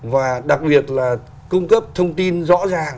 và đặc biệt là cung cấp thông tin rõ ràng